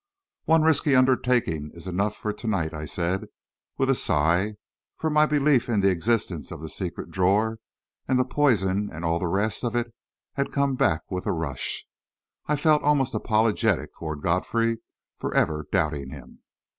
"One risky undertaking is enough for to night," I said, with a sigh, for my belief in the existence of the secret drawer and the poison and all the rest of it had come back with a rush. I felt almost apologetic toward Godfrey for ever doubting him.